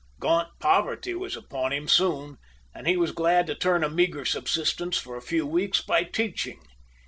Gaunt poverty was upon him soon, and he was glad to earn a meagre subsistence for a few weeks, by teaching.